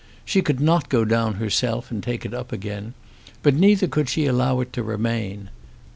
She could not go down herself and take it up again; but neither could she allow it to remain.